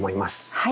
はい。